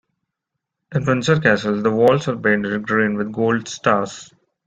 In Windsor Castle, the walls are painted green with gold stars.